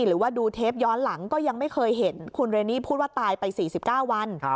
หรือว่าดูเทปย้อนหลังก็ยังไม่เคยเห็นคุณเรนนี่พูดว่าตายไป๔๙วัน